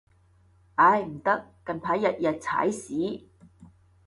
唉，唔得，近排日日踩屎